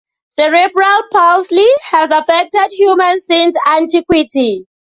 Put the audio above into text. Cerebral palsy has affected humans since antiquity.